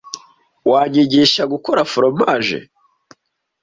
Wanyigisha gukora foromaje?